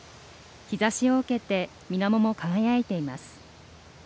日ざしを受けてみなもも輝いています。